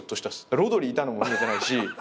ロドリいたのも見えてないし。